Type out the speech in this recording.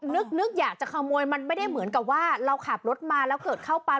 นึกอยากจะขโมยมันไม่ได้เหมือนกับว่าเราขับรถมาแล้วเกิดเข้าไป